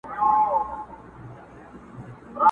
په یوه ژبه ګړیږو یو له بله نه پوهیږو؛